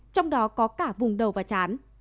trong đó có cả vùng đầu và chán